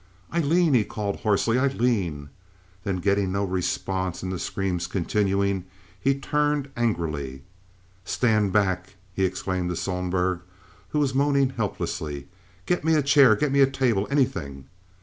there!" "Aileen!" he called, hoarsely. "Aileen!" Then, getting no response, and the screams continuing, he turned angrily. "Stand back!" he exclaimed to Sohlberg, who was moaning helplessly. "Get me a chair, get me a table—anything."